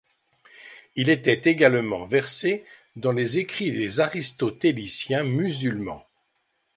Il était également versé dans les écrits des Aristotéliciens musulmans.